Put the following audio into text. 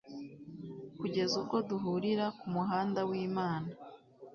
kugeza ubwo duhurira kumuhanda wimana